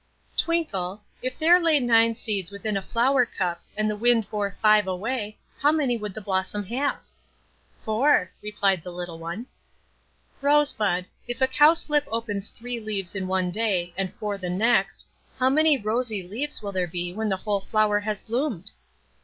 "Twinkle, if there lay nine seeds within a flower cup and the wind bore five away, how many would the blossom have?" "Four," replied the little one. "Rosebud, if a Cowslip opens three leaves in one day and four the next, how many rosy leaves will there be when the whole flower has bloomed?"